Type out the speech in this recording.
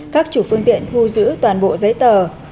các chủ phương tiện thu giữ toàn bộ giấy tờ